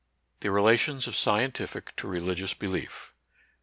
— THE RELATIONS OP SCIEN TIFIC TO RELIGIOUS BELIEF.